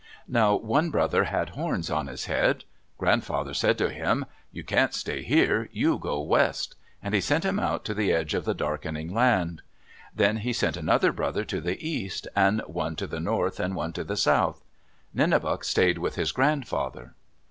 Now one brother had horns on his head. Grandfather said to him, "You can't stay here; you go west!" and he sent him out to the edge of the Darkening Land. Then he sent another brother to the east and one to the north and one to the south. Nenebuc stayed with his grandfather.